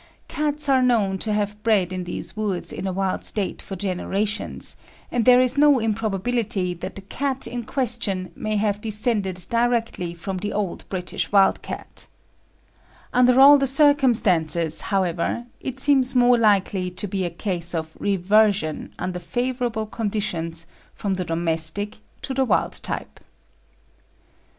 Cats are known to have bred in these woods in a wild state for generations, and there is no improbability that the cat in question may have descended directly from the old British wild cat. Under all the circumstances, however, it seems more likely to be a case of reversion under favourable conditions from the domestic to the wild type. [A] "Trans. Tyneside Nat. Field Club," 1864, vol.